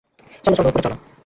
চলো চলো, উপরে চলো।